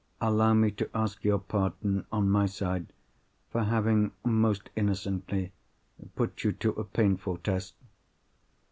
Allow me to ask your pardon, on my side, for having (most innocently) put you to a painful test."